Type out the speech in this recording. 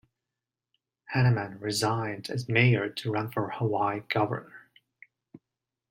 Hannemann resigned as mayor to run for Hawaii governor.